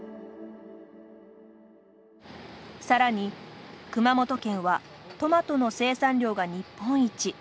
さらに熊本県はトマトの生産量が日本一。